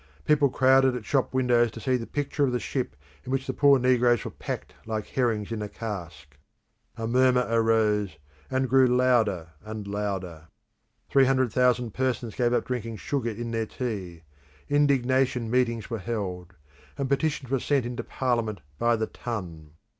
People crowded at shop windows to see the picture of the ship in which the poor negroes were packed like herrings in a cask. A murmur arose, and grew louder and louder; three hundred thousand persons gave up drinking sugar in their tea; indignation meetings were held; and petitions were sent into Parliament by the ton.